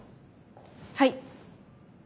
はい。